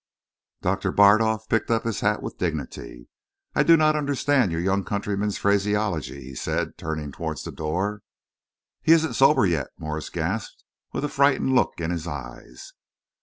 Doctor Bardolf picked up his hat with dignity. "I do not understand your young countryman's phraseology," he said, turning towards the door. "He isn't sober yet!" Morse gasped, with a frightened look in his eyes.